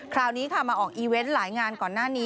คราวนี้ค่ะมาออกอีเวนต์หลายงานก่อนหน้านี้